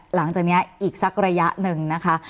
หลังจากนี้อีกสักระยะหนึ่งนะคะ